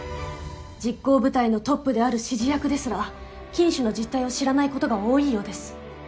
実行部隊のトップである指示役ですら金主の実態を知らないことが多いようです。